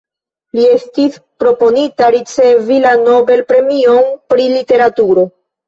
Li estis proponita ricevi la Nobel-premion pri literaturo.